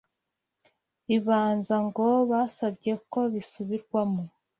Ribanza ngo basabye ko bisubirwamo